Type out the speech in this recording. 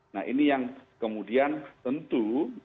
nah ini yang kemudian tentu